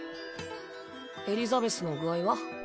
エリザベスの具合は？